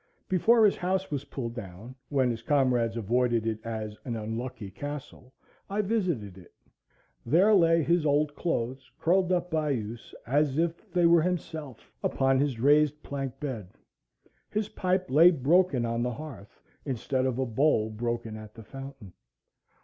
Before his house was pulled down, when his comrades avoided it as "an unlucky castle," I visited it. There lay his old clothes curled up by use, as if they were himself, upon his raised plank bed. His pipe lay broken on the hearth, instead of a bowl broken at the fountain.